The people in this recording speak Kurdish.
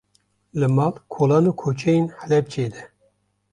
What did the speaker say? Li mal, kolan û kuçeyên Helepçê de